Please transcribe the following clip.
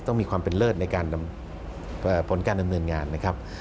ต้องมีความเป็นเลิศในการผลการดำเนินงานนะครับ